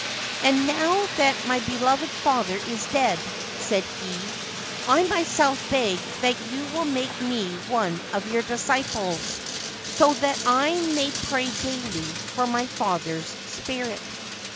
' And now that my beloved father is dead/ said he, c I myself beg that you will make me one of your disciples, so that I may pray daily for my father's spirit.'